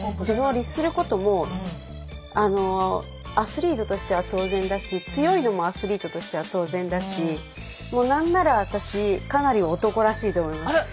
自分を律することもアスリートとしては当然だし強いのもアスリートとしては当然だしもう何なら私かなり男らしいと思います。